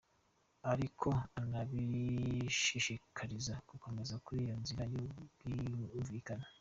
Ariko anabishishikariza gukomera kuri iyo nzira y’ubwumvikane.